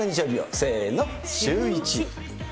せーのシューイチ。